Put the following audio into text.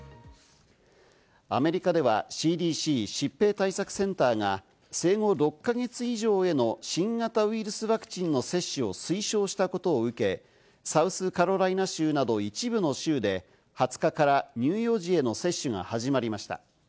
アメリカではＣＤＣ＝疾病対策センターが生後６か月以上への新型ウイルスワクチンの接種を推奨したことを受け、サウスカロライナ州など、一部の州で２０日から乳幼児への接種が始まりました。